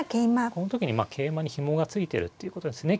この時に桂馬にひもが付いてるっていうことですね